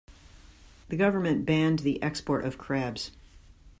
The government banned the export of crabs.